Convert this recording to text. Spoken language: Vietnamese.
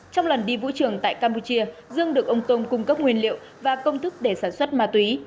trong lần đi vũ trường tại campuchia dương được ông tông cung cấp nguyên liệu và công thức để sản xuất ma túy